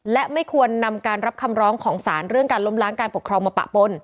และไม่ควรนำการรับคำร้องของสารเรื่องการล้มล้างการปกครองมาปะปน